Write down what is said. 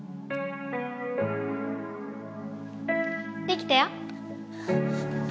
できたよ。